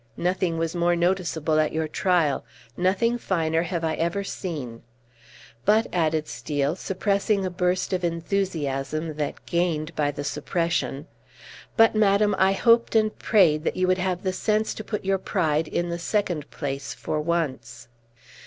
Nothing was more noticeable at your trial; nothing finer have I ever seen! But," added Steel, suppressing a burst of enthusiasm that gained by the suppression, "but, madam, I hoped and prayed that you would have the sense to put your pride in the second place for once."